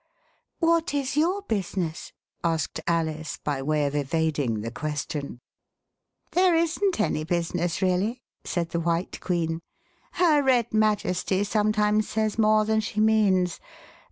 '* What is ^^7^r business.'^" asked Alice, by way of evading the question. There isn't any business really," said the White Queen. Her Red Majesty sometimes says more than she means.